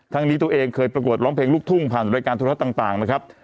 นี้ตัวเองเคยประกวดร้องเพลงลูกทุ่งผ่านรายการโทรทัศน์ต่างนะครับ